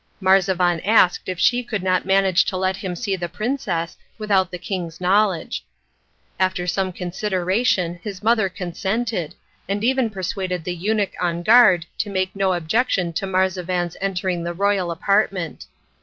Marzavan asked if she could not manage to let him see the princess without the king's knowledge. After some consideration his mother consented, and even persuaded the eunuch on guard to make no objection to Marzavan's entering the royal apartment.